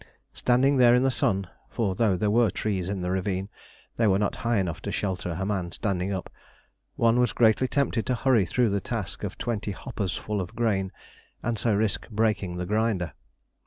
Standing there in the sun for though there were trees in the ravine, they were not high enough to shelter a man standing up one was greatly tempted to hurry through the task of twenty hoppers full of grain, and so risk breaking the grinder.